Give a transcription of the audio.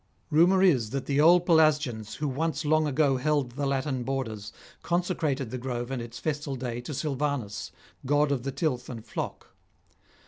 Rumour is that the old Pelasgians, who once long ago held the Latin borders, consecrated the grove and its festal day to Silvanus, god of the tilth and flock.